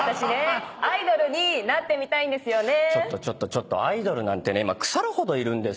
ちょっとアイドルなんてね今腐るほどいるんですよ。